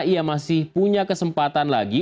ia masih punya kesempatan lagi